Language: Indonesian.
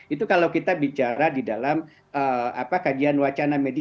itu kalau kita bicara di dalam kajian wacana media